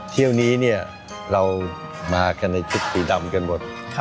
เที่ยวนี้เรามาในชุดสีดำกันหมด